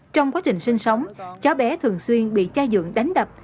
trong quá trình sinh sống cháu bé thường xuyên bị cha dưỡng đánh đập